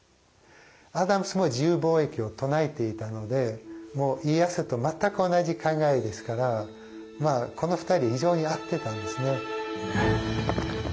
アダムスも自由貿易を唱えていたのでもう家康と全く同じ考えですからこの２人非常に合ってたんですね。